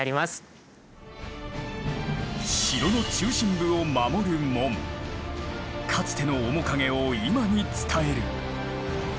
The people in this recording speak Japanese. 城の中心部を守る門かつての面影を今に伝える。